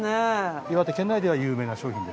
岩手県内では有名な商品です。